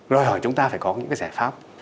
đòi hỏi chúng ta phải có những cái giải pháp